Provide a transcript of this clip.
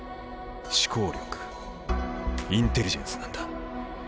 思考力インテリジェンスなんだ。